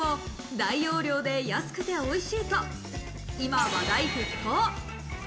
大容量で安くておいしいと今話題沸騰。